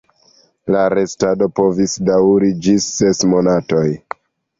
La restado povis daŭri ĝis ses monatoj.